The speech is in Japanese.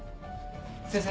先生？